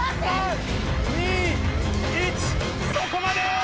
そこまで！